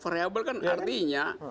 variable kan artinya